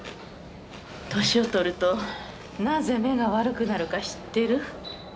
年を取るとなぜ目が悪くなるか知ってる？